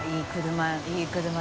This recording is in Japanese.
いい車！